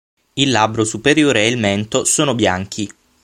Il labbro superiore e il mento sono bianchi.